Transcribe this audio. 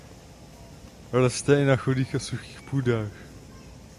Roste i na chudých a suchých půdách.